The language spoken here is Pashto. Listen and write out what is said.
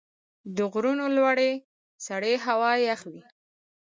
د غرونو لوړې سرې هوا یخ وي.